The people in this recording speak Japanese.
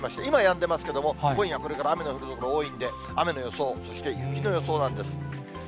今、やんでますけれども、今夜これから雨の降る所多いんで、雨の予想、そして雪の予想なんです。